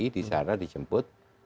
di sana dijemput